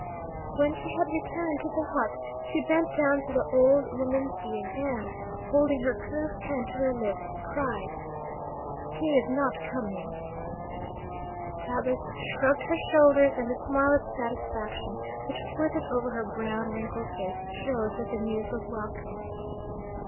When she had returned to the hut, she bent down to the old woman's ear and, holding her curved hand to her lips, cried, "He is not coming!" Tabus shrugged her shoulders, and the smile of satisfaction which flitted over her brown, wrinkled face showed that the news was welcome.